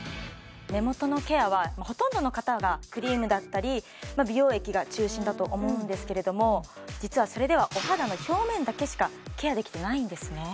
目元のケアはほとんどの方がクリームだったり美容液が中心だと思うんですけれども実はそれではお肌の表面だけしかケアできてないんですね